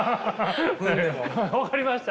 分かりました？